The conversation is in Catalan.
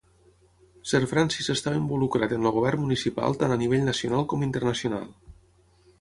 Sir Francis estava involucrat en el govern municipal tant a nivell nacional com internacional.